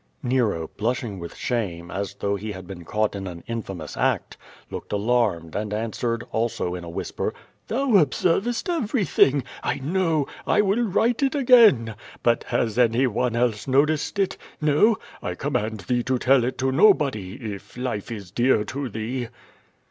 Nero, blushing with shame, as though he had been caught in an infamous act, looked alarmed, and answered, also in a whisper: "Thou ob?crvest everything! I know! I will write it again. But has any one else noticed it? No? I command thee to tell it to nobody if life is dear to thee."